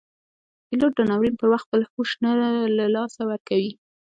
پیلوټ د ناورین پر وخت خپل هوش نه له لاسه ورکوي.